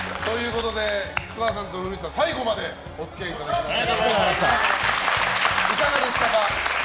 菊川さんと古市さん、最後までお付き合いいただきました。